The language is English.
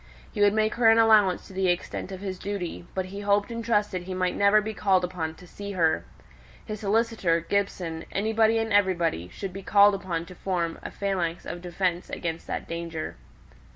He would make her an allowance to the extent of his duty: but he hoped and trusted he might never be called upon to see her. His solicitor, Gibson, anybody and everybody, should be called upon to form a phalanx of defence against that danger.